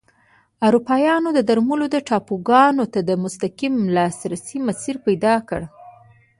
اروپایانو درملو ټاپوګانو ته د مستقیم لاسرسي مسیر پیدا کړ.